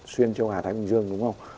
xuyên châu á thái bình dương đúng không